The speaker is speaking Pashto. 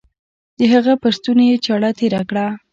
د هغه پر ستوني يې چاړه تېره کړه.